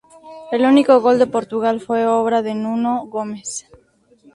El único gol de Portugal fue obra de Nuno Gomes.